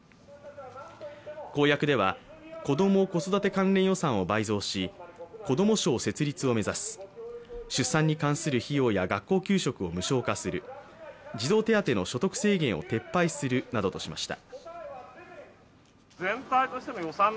公約では、子ども・子育て関連予算を倍増し子ども省設立を目指す、出産に関する費用や学校給食を無償化する、児童手当の所得制限を撤廃するなどとしました。